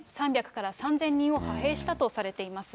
３００から３０００人を派兵したとされています。